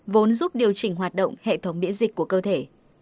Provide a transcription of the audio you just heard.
vốn giúp điều chỉnh hoạt động hệ thống biễ dịch của cơ thể